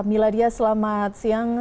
miladia selamat siang